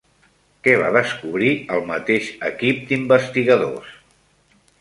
Què va descobrir el mateix equip d'investigadors?